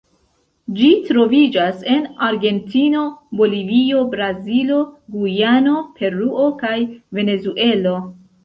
Ĝi troviĝas en Argentino, Bolivio, Brazilo, Gujano, Peruo kaj Venezuelo.